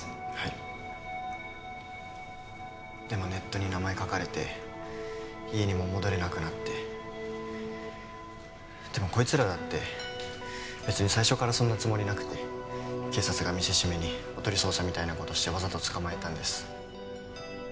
はいでもネットに名前書かれて家にも戻れなくなってでもこいつらだって別に最初からそんなつもりなくて警察が見せしめにおとり捜査みたいなことしてわざと捕まえたんです